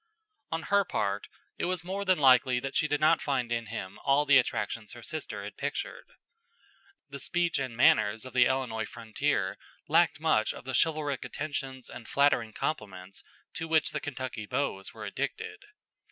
On her part, it was more than likely that she did not find in him all the attractions her sister had pictured. The speech and manners of the Illinois frontier lacked much of the chivalric attentions and flattering compliments to which the Kentucky beaux were addicted.